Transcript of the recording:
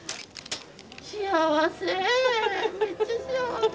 幸せ。